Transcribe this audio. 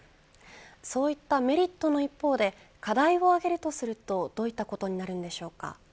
そういったメリットの一方で課題を挙げるとするとどういったことになるんでしょうか。